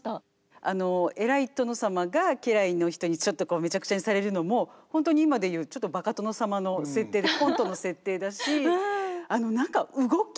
あの偉い殿様が家来の人にちょっとめちゃくちゃにされるのもホントに今で言うちょっとバカ殿様の設定でコントの設定だしあの何か動き？